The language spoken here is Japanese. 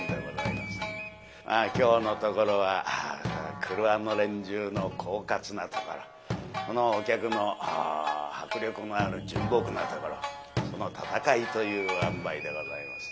まあ今日のところは郭の連中の狡猾なところこのお客の迫力のある純朴なところその戦いというあんばいでございます。